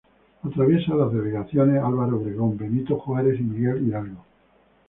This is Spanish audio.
Atraviesa las delegaciones Álvaro Obregón, Benito Juárez y Miguel Hidalgo.